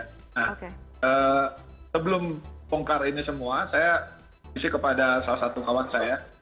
nah sebelum bongkar ini semua saya isi kepada salah satu kawan saya